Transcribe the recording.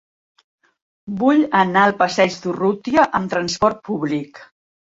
Vull anar al passeig d'Urrutia amb trasport públic.